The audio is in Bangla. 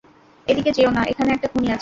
এদিকে যেও না, এখানে একটা খুনি আছে।